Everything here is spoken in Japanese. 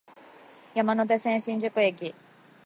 山手線、新宿駅